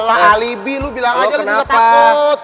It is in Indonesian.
alibi lu bilang aja lu juga takut